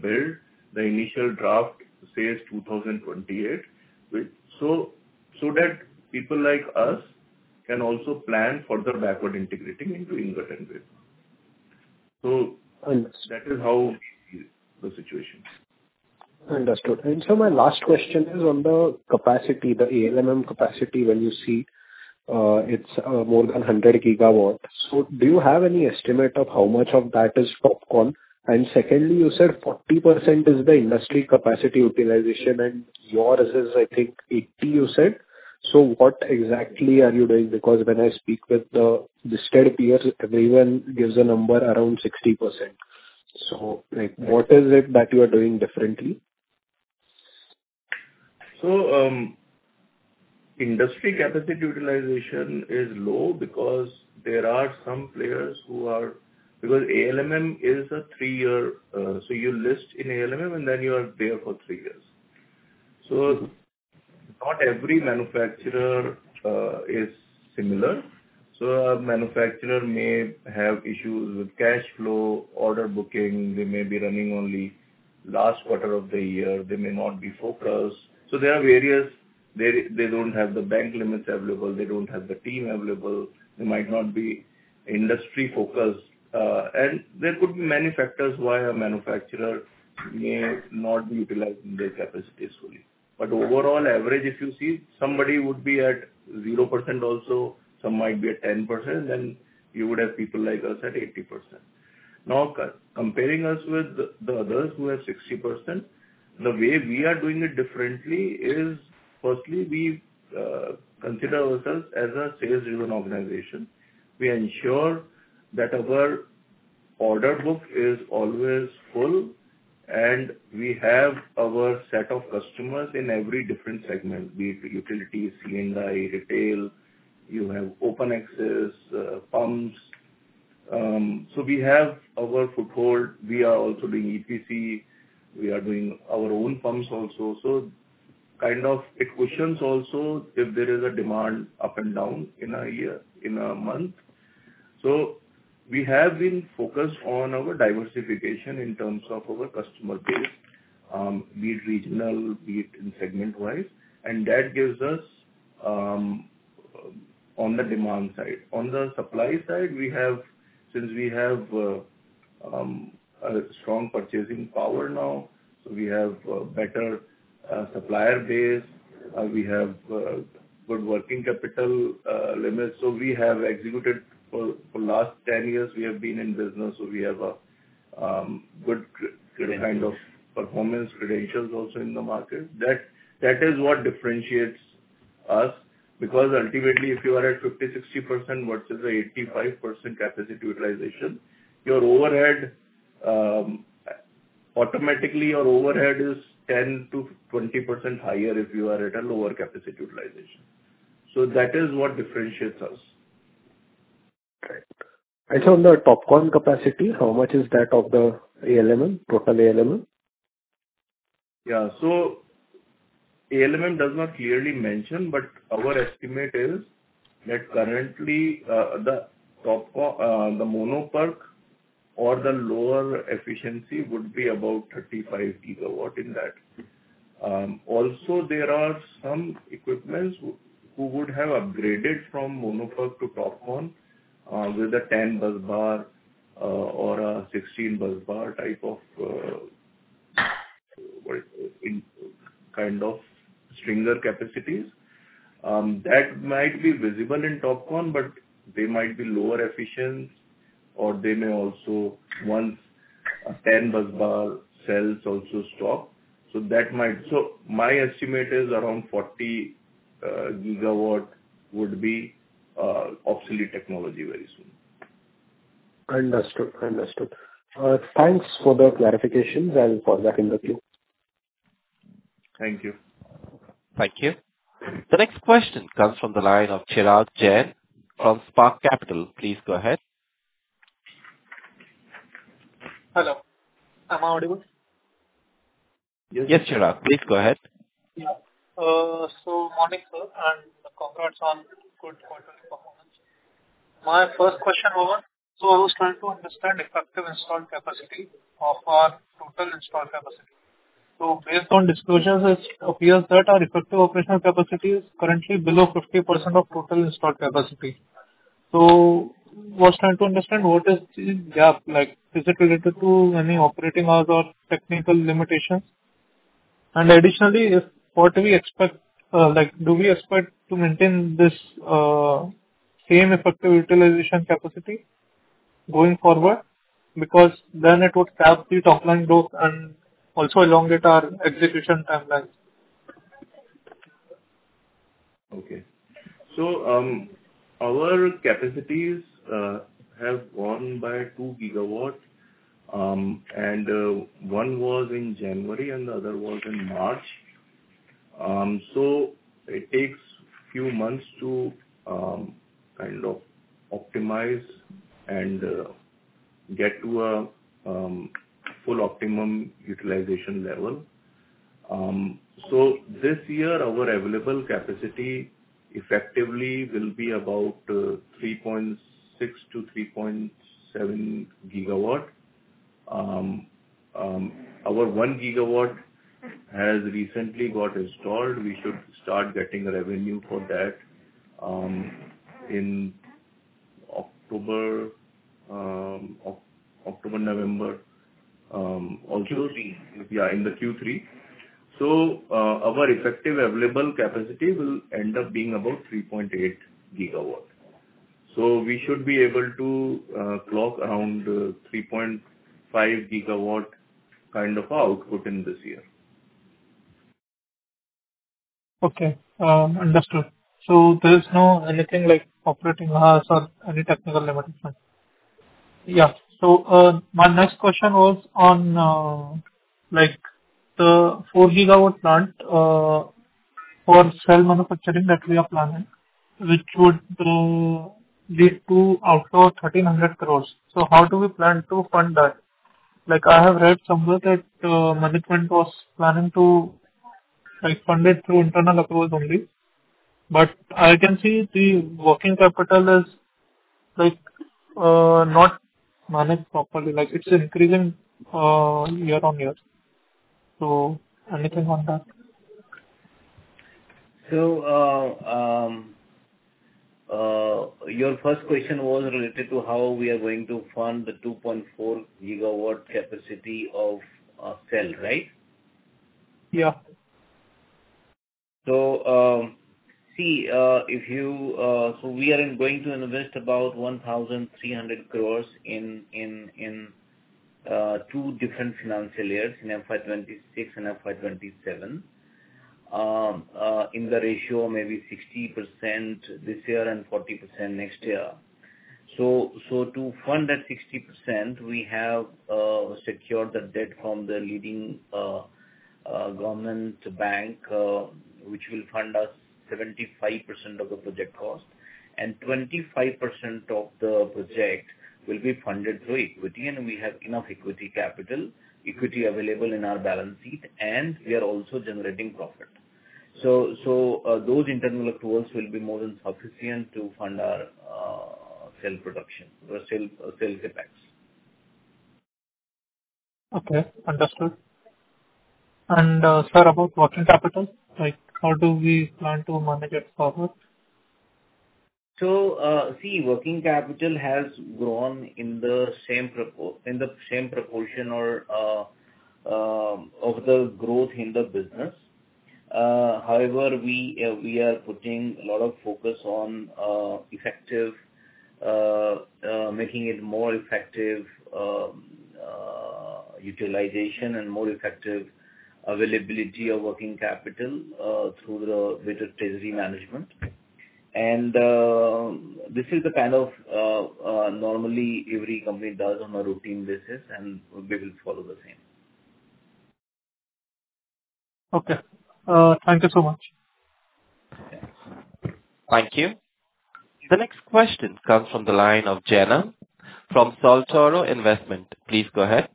built. The initial draft says 2028. So that people like us can also plan further backward integrating into ingot and wafer. So that is how the situation is. Understood. So my last question is on the capacity, the ALMM capacity, when you see it's more than 100 GW. Do you have any estimate of how much of that is Topcon? And secondly, you said 40% is the industry capacity utilization, and yours is, I think, 80%, you said. So what exactly are you doing? Because when I speak with the listed peers, everyone gives a number around 60%. So what is it that you are doing differently? So industry capacity utilization is low because there are some players who are because ALMM is a three-year so you list in ALMM, and then you are there for three years. So not every manufacturer is similar. So a manufacturer may have issues with cash flow, order booking. They may be running only last quarter of the year. They may not be focused. So there are various, they don't have the bank limits available. They don't have the team available. They might not be industry-focused. And there could be many factors why a manufacturer may not be utilizing their capacity fully. But overall average, if you see, somebody would be at 0% also. Some might be at 10%. Then you would have people like us at 80%. Now, comparing us with the others who have 60%, the way we are doing it differently is firstly, we consider ourselves as a sales-driven organization. We ensure that our order book is always full, and we have our set of customers in every different segment, be it utilities, C&I, retail. You have open access, pumps. So we have our foothold. We are also doing EPC. We are doing our own pumps also. So kind of it cushions also if there is a demand up and down in a year, in a month. So we have been focused on our diversification in terms of our customer base, be it regional, be it segment-wise. And that gives us on the demand side. On the supply side, since we have a strong purchasing power now, so we have a better supplier base. We have good working capital limits. We have executed for the last 10 years. We have been in business. We have a good kind of performance credentials also in the market. That is what differentiates us. Because ultimately, if you are at 50%-60% versus the 85% capacity utilization, your overhead automatically is 10%-20% higher if you are at a lower capacity utilization. That is what differentiates us. Right. And on the TOPCon capacity, how much is that of the ALMM, total ALMM? Yeah. So ALMM does not clearly mention, but our estimate is that currently, the monofacial or the lower efficiency would be about 35 GW in that. Also, there are some equipment who would have upgraded from monofacial to TOPCon with a 10-busbar or a 16-busbar type of kind of stringer capacities. That might be visible in TOPCon, but they might be lower efficient, or they may also once a 10-busbar cells also stop. So that might, my estimate is around 40 GW would be obsolete technology very soon. Understood. Understood. Thanks for the clarifications and for that interview. Thank you. Thank you. The next question comes from the line of Chirag Jain from Emkay Global Financial Services. Please go ahead. Hello. Am I audible? Yes, Chirag. Please go ahead. Yeah. Morning, sir. Congrats on good quarterly performance. My first question was, so I was trying to understand effective installed capacity of our total installed capacity. Based on disclosures, it appears that our effective operational capacity is currently below 50% of total installed capacity. I was trying to understand what is the gap. Is it related to any operating hours or technical limitations? Additionally, what do we expect? Do we expect to maintain this same effective utilization capacity going forward? Because then it would tap the top line growth and also elongate our execution timelines. Okay. So our capacities have gone by 2 GW. And one was in January, and the other was in March. So it takes a few months to kind of optimize and get to a full optimum utilization level. So this year, our available capacity effectively will be about 3.6GW-3.7 GW. Our 1 GW has recently got installed. We should start getting revenue for that in October, November. Also, Q3. Yeah, in the Q3. So our effective available capacity will end up being about 3.8 GW. So we should be able to clock around 3.5 GW kind of output in this year. Okay. Understood. So there is no anything like operating hours or any technical limitation? Yeah. So my next question was on the 4 GW plant for cell manufacturing that we are planning, which would lead to outlay of 1,300 crores. So how do we plan to fund that? I have read somewhere that management was planning to fund it through internal accruals only. But I can see the working capital is not managed properly. It's increasing year-on-year. So anything on that? So your first question was related to how we are going to fund the 2.4 GW capacity of cell, right? Yeah. So, we are going to invest about 1,300 crore in two different financial years, in FY 2026 and FY 2027, in the ratio of maybe 60% this year and 40% next year. So to fund that 60%, we have secured the debt from the leading government bank, which will fund us 75% of the project cost. And 25% of the project will be funded through equity. And we have enough equity capital, equity available in our balance sheet, and we are also generating profit. So those internal accruals will be more than sufficient to fund our cell production or cell CapEx. Okay. Understood. Sir, about working capital, how do we plan to manage it forward? So see, working capital has grown in the same proportion of the growth in the business. However, we are putting a lot of focus on making it more effective utilization and more effective availability of working capital through the better treasury management. And this is the kind of normally every company does on a routine basis, and we will follow the same. Okay. Thank you so much. Thank you. The next question comes from the line of Jenna from Saltoro Investment. Please go ahead.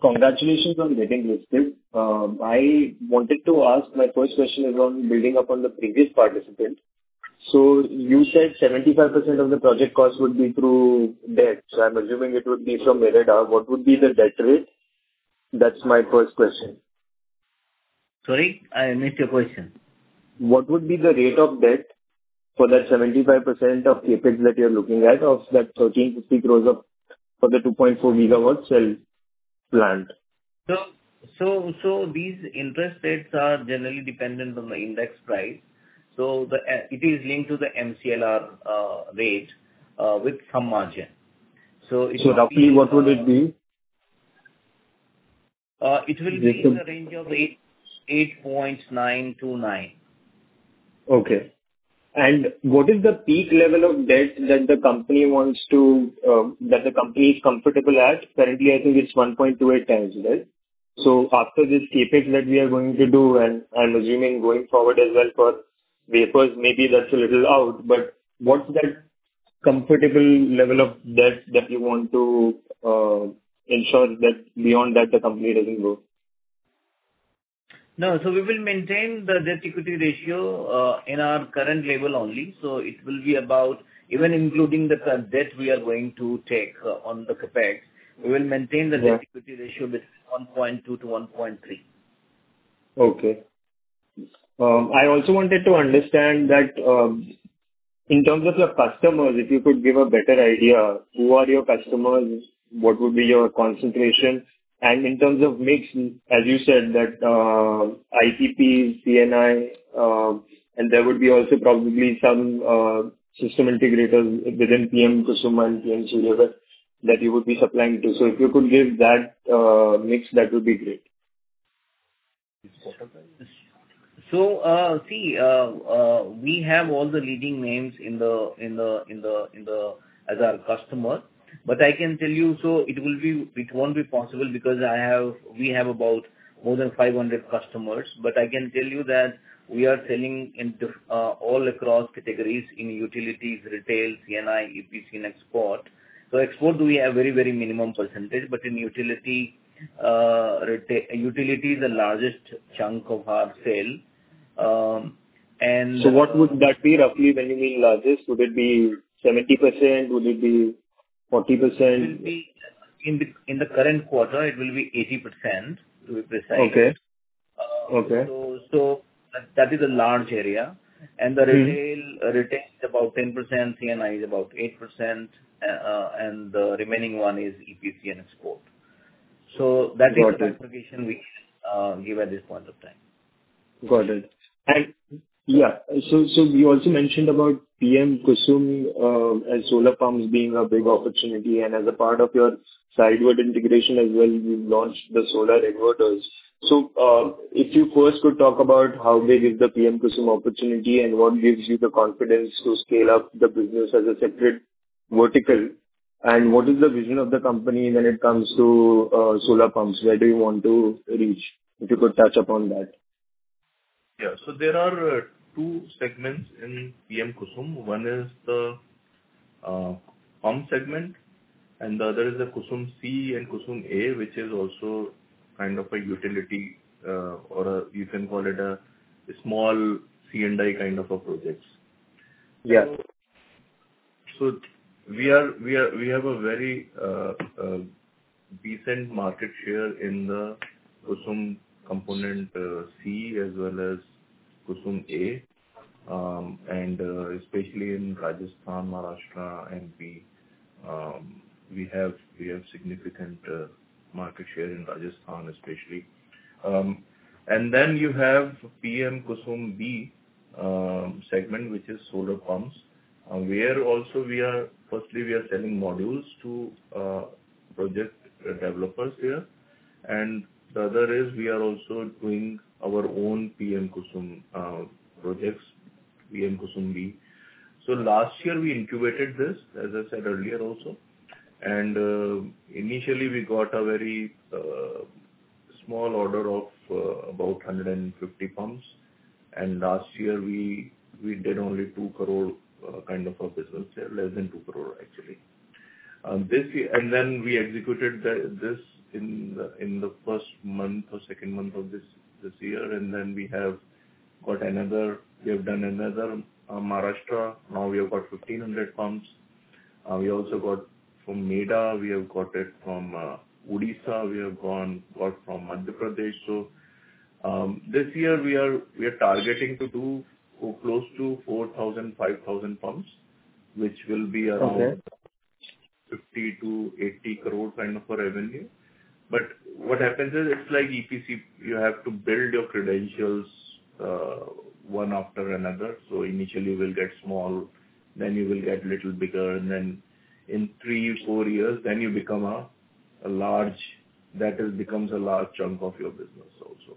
Congratulations on getting listed. I wanted to ask my first question is on building upon the previous participant. So you said 75% of the project cost would be through debt. So I'm assuming it would be from IREDA. What would be the debt rate? That's my first question. Sorry? I missed your question. What would be the rate of debt for that 75% of CapEx that you're looking at of that 1,350 crore for the 2.4 GW cell plant? These interest rates are generally dependent on the index price. It is linked to the MCLR rate with some margin. It will be. So, roughly, what would it be? It will be in the range of 8.9-9. Okay. What is the peak level of debt that the company wants to, that the company is comfortable at? Currently, I think it's 1.28x this. So after this CapEx that we are going to do, and I'm assuming going forward as well for wafers, maybe that's a little out. But what's that comfortable level of debt that you want to ensure that beyond that the company doesn't go? No. So we will maintain the debt-equity ratio in our current level only. So it will be about even including the debt we are going to take on the CapEx, we will maintain the debt-equity ratio between 1.2-1.3. Okay. I also wanted to understand that in terms of your customers, if you could give a better idea, who are your customers? What would be your concentration? And in terms of mix, as you said, that EPC, C&I, and there would be also probably some system integrators within PM-KUSUM and PM Surya Ghar that you would be supplying to. So if you could give that mix, that would be great. So, see, we have all the leading names in the as our customer. But I can tell you, so it won't be possible because we have about more than 500 customers. But I can tell you that we are selling all across categories in utilities, retail, C&I, EPC, and export. So export, we have very, very minimum percentage. But in utility, utility is the largest chunk of our sale. And. What would that be roughly when you mean largest? Would it be 70%? Would it be 40%? In the current quarter, it will be 80%, to be precise. Okay. Okay. That is a large area. The retail is about 10%. C&I is about 8%. The remaining one is EPC and export. That is the application we can give at this point of time. Got it. Yeah. So you also mentioned about PM-KUSUM and solar pumps being a big opportunity. As a part of your sideward integration as well, you launched the solar inverters. So if you first could talk about how big is the PM-KUSUM opportunity and what gives you the confidence to scale up the business as a separate vertical? What is the vision of the company when it comes to solar pumps? Where do you want to reach? If you could touch upon that. Yeah. There are two segments in PM-KUSUM. One is the pump segment, and the other is the KUSUM C and KUSUM A, which is also kind of a utility or you can call it a small C&I kind of a project. Yeah. So we have a very decent market share in the PM-KUSUM component C as well as PM-KUSUM A, and especially in Rajasthan, Maharashtra, and Bihar. We have significant market share in Rajasthan, especially. And then you have PM-KUSUM B segment, which is solar pumps, where also we are firstly, we are selling modules to project developers here. And the other is we are also doing our own PM-KUSUM projects, PM-KUSUM B. So last year, we incubated this, as I said earlier also. And initially, we got a very small order of about 150 pumps. And last year, we did only 2 crore kind of a business here, less than 2 crore, actually. And then we executed this in the first month or second month of this year. And then we have got another we have done another Maharashtra. Now we have got 1,500 pumps. We also got from IREDA. We have got it from Odisha. We have got from Madhya Pradesh. So this year, we are targeting to do close to 4,000, 5,000 pumps, which will be around 50 crore-80 crore kind of a revenue. But what happens is it's like EPC. You have to build your credentials one after another. So initially, you will get small, then you will get a little bigger, and then in three, four years, then you become a large that becomes a large chunk of your business also.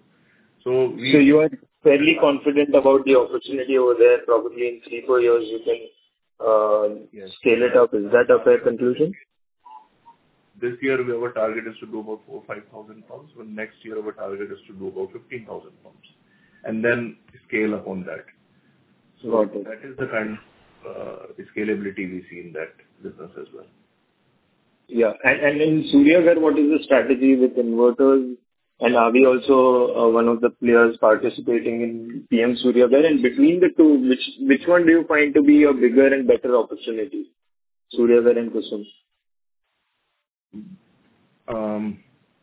So. So you are fairly confident about the opportunity over there. Probably in 3-4 years, you can scale it up. Is that a fair conclusion? This year, we have a target is to do about 4,000-5,000 pumps. But next year, our target is to do about 15,000 pumps. And then scale upon that. Got it. That is the kind of scalability we see in that business as well. Yeah. And in Surya Ghar, what is the strategy with inverters? And are we also one of the players participating in PM Surya Ghar? And between the two, which one do you find to be a bigger and better opportunity, Surya Ghar and KUSUM?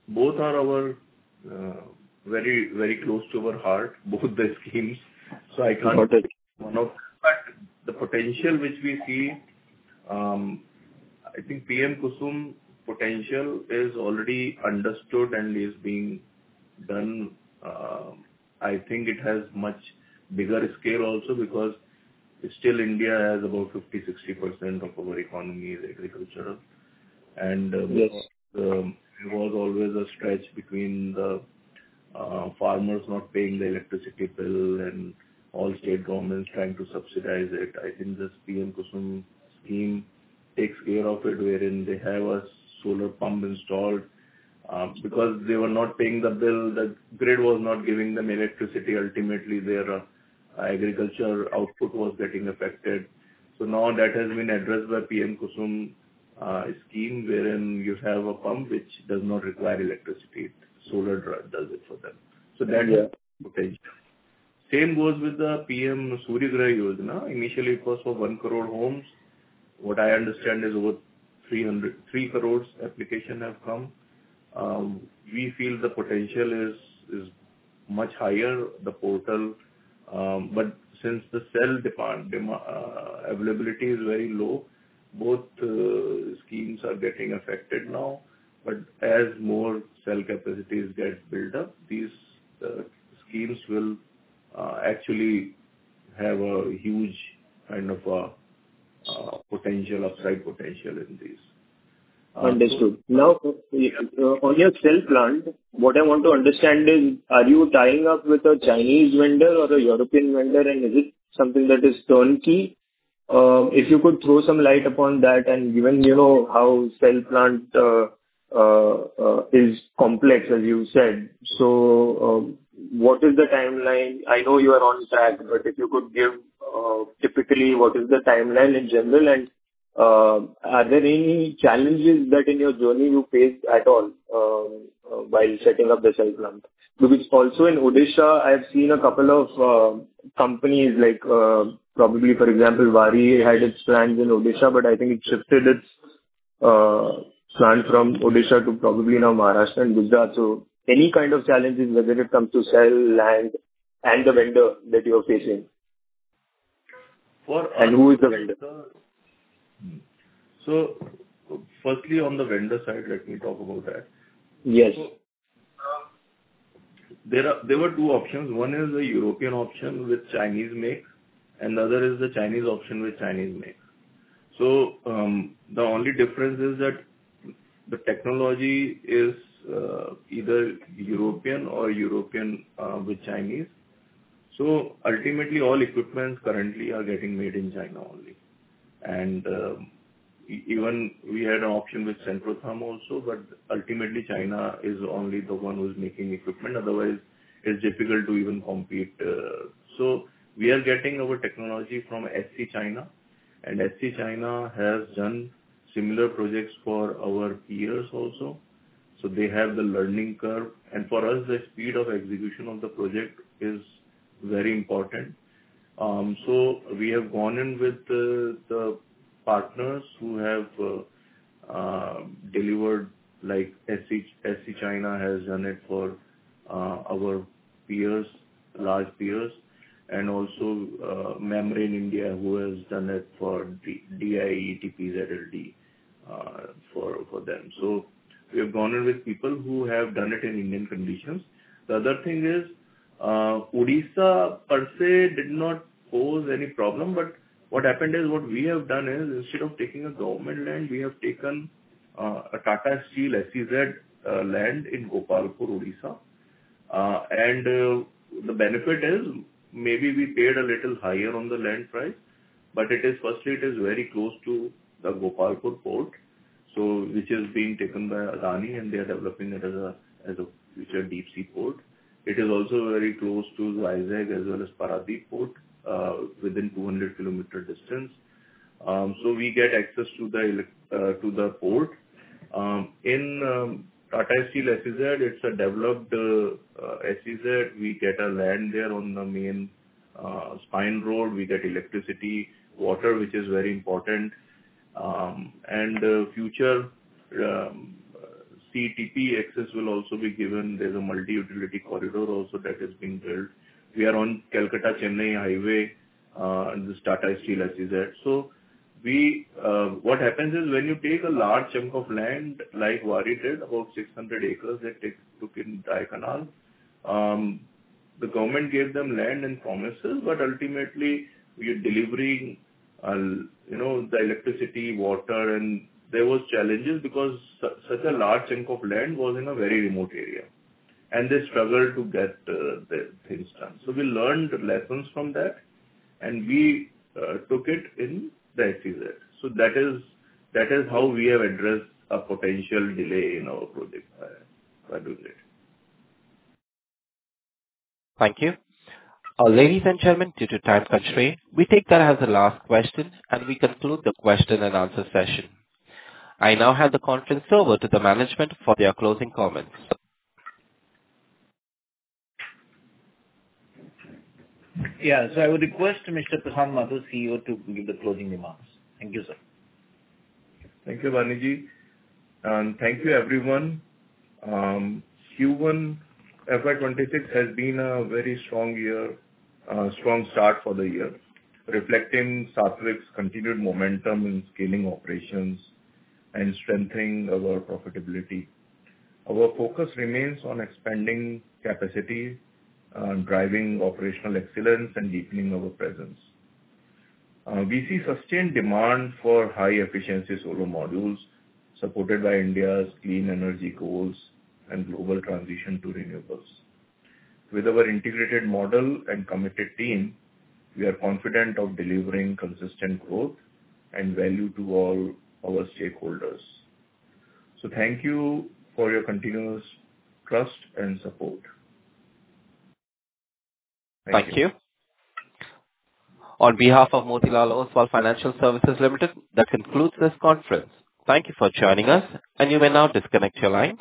Both are very close to our heart, both the schemes. So I can't say one of them. But the potential which we see, I think PM-KUSUM potential is already understood and is being done. I think it has much bigger scale also because still, India has about 50%-60% of our economy is agricultural. And it was always a stretch between the farmers not paying the electricity bill and all state governments trying to subsidize it. I think this PM-KUSUM scheme takes care of it, wherein they have a solar pump installed. Because they were not paying the bill, the grid was not giving them electricity. Ultimately, their agriculture output was getting affected. So now that has been addressed by PM-KUSUM scheme, wherein you have a pump which does not require electricity. Solar does it for them. So that is the potential. Same goes with the PM Surya Ghar Yojana. Initially, it was for 1 crore homes. What I understand is over 3 crores applications have come. We feel the potential is much higher, the portal. But since the cell availability is very low, both schemes are getting affected now. But as more cell capacities get built up, these schemes will actually have a huge kind of potential, upside potential in these. Understood. Now, on your cell plant, what I want to understand is, are you tying up with a Chinese vendor or a European vendor? And is it something that is turnkey? If you could throw some light upon that and given how cell plant is complex, as you said. So what is the timeline? I know you are on track, but if you could give typically what is the timeline in general, and are there any challenges that in your journey you faced at all while setting up the cell plant? Because also in Odisha, I've seen a couple of companies, like probably, for example, Waaree had its plants in Odisha, but I think it shifted its plant from Odisha to probably now Maharashtra and Gujarat. So any kind of challenges, whether it comes to cell line and the vendor that you are facing? And who is the vendor? Firstly, on the vendor side, let me talk about that. Yes. There were two options. One is the European option with Chinese make, and the other is the Chinese option with Chinese make. So the only difference is that the technology is either European or European with Chinese. So ultimately, all equipment currently are getting made in China only. And even we had an option with Centrotherm also, but ultimately, China is only the one who's making equipment. Otherwise, it's difficult to even compete. So we are getting our technology from SC Solar. And SC Solar has done similar projects for our peers also. So they have the learning curve. And for us, the speed of execution of the project is very important. So we have gone in with the partners who have delivered, like SC Solar has done it for our large peers, and also M+W India, who has done it for TPSSL for them. So we have gone in with people who have done it in Indian conditions. The other thing is Odisha per se did not pose any problem. But what happened is what we have done is instead of taking a government land, we have taken a Tata Steel SEZ land in Gopalpur, Odisha. And the benefit is maybe we paid a little higher on the land price, but firstly, it is very close to the Gopalpur Port, which is being taken by Adani, and they are developing it as a future deep-sea port. It is also very close to Vizag as well as Paradip Port, within 200 km distance. So we get access to the port. In Tata Steel SEZ, it's a developed SEZ. We get land there on the main spine road. We get electricity, water, which is very important. And future CETP access will also be given. There's a multi-utility corridor also that is being built. We are on Calcutta-Chennai Highway, this Tata Steel SEZ. So what happens is when you take a large chunk of land, like Vari did, about 600 acres that took in Dhenkanal, the government gave them land and promises, but ultimately, you're delivering the electricity, water, and there were challenges because such a large chunk of land was in a very remote area. And they struggled to get things done. So we learned lessons from that, and we took it in the SEZ. So that is how we have addressed a potential delay in our project by doing it. Thank you. Ladies and gentlemen, due to time constraints, we take that as the last question, and we conclude the question-and-answer session. I now hand the conference over to the management for their closing comments. Yeah. So I would request Mr. Prashant Mathur, CEO, to give the closing remarks. Thank you, sir. Thank you, Baniji. And thank you, everyone. Q1 FY 2026 has been a very strong year, a strong start for the year, reflecting Saatvik's continued momentum in scaling operations and strengthening our profitability. Our focus remains on expanding capacity, driving operational excellence, and deepening our presence. We see sustained demand for high-efficiency solar modules supported by India's clean energy goals and global transition to renewables. With our integrated model and committed team, we are confident of delivering consistent growth and value to all our stakeholders. So thank you for your continuous trust and support. Thank you. On behalf of Motilal Oswal Financial Services Limited, that concludes this conference. Thank you for joining us, and you may now disconnect your lines.